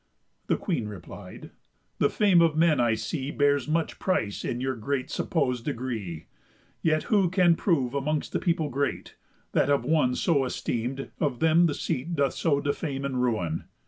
The Queen replied: "The fame of men, I see, Bears much price in your great suppos'd degree; Yet who can prove amongst the people great, That of one so esteem'd of them the seat Doth so defame and ruin?